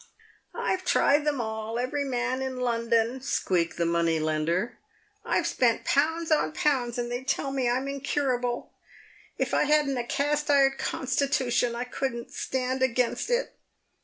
" I've tried them all, every man in London," squeaked the money lender. " I've spent pounds on pounds, and they tell me I'm incur able. If I hadn't a cast iron constitution, I couldn't stand against it."